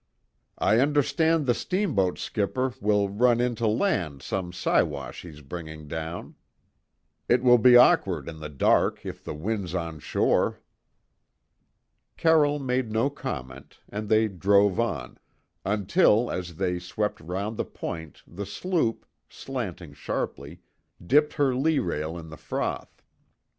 "I understand the steamboat skipper will run in to land some Siwash he's bringing down. It will be awkward in the dark if the wind's onshore." Carroll made no comment, and they drove on, until as they swept round the point the sloop, slanting sharply, dipped her lee rail in the froth.